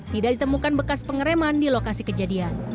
tidak ditemukan bekas pengereman di lokasi kejadian